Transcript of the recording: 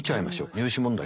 入試問題